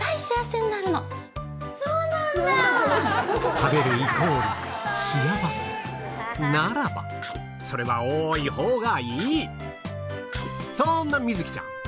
食べるイコール幸せならばそれは多いほうがいいそんな瑞季ちゃん